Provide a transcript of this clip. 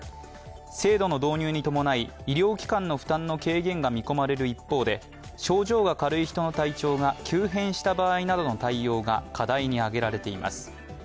制度の導入に伴い医療機関の負担の軽減が見込まれる一方で症状が軽い人の体調が急変した場合などの対応が課題に挙げられています。